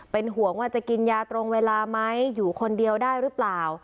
เป็นห่วงว่าจะกินยาตรงเวลาไหมอยู่คนเดียวได้หรือเปล่า